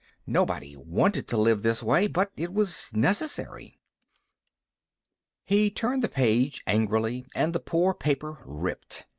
Nobody wanted to live this way, but it was necessary. He turned the page angrily and the poor paper ripped.